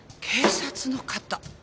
警察の方？